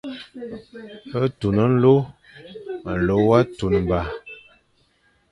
Tun nlô, nlô wa tunba.